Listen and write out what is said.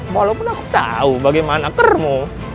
walaupun aku tahu bagaimana kermu